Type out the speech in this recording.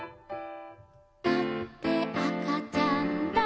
「だってあかちゃんだから」